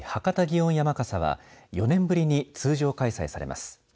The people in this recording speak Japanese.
博多祇園山笠は４年ぶりに通常開催されます。